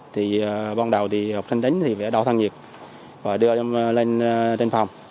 thì ban đầu thì học sinh đến thì phải đo thăng nhiệt và đưa lên phòng